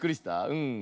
うん。